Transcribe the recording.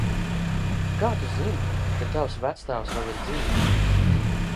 Kā tu zini, ka tavs vectēvs vēl ir dzīvs?